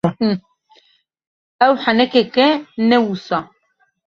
Ev henekek e, ne wisa?